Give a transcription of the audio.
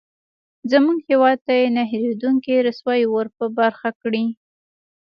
زموږ هېواد ته یې نه هېرېدونکې رسوایي ورپه برخه کړې.